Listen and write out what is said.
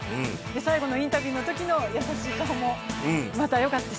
最後のインタビューのときの優しい顔もよかった。